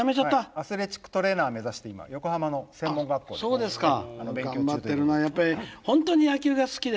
アスレチックトレーナー目指して今横浜の専門学校で勉強中で。